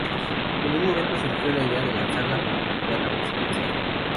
En un momento surgió la idea de lanzarla como candidata presidencial.